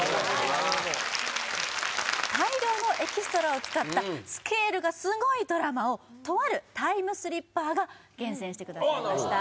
・なるほど大量のエキストラを使ったスケールがすごいドラマをとあるタイムスリッパーが厳選してくださいました